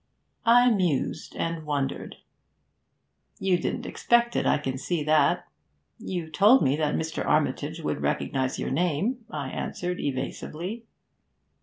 I mused and wondered. 'You didn't expect it; I can see that.' 'You told me that Mr. Armitage would recognise your name,' I answered evasively.